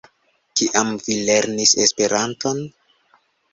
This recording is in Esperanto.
Kiam vi lernis Esperanton?